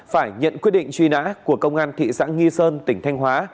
phải nhận quyết định truy nã của công an thị xã nghi sơn tỉnh thanh hóa